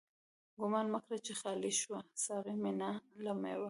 ګومان مه کړه چی خالی شوه، ساقی مينا له ميو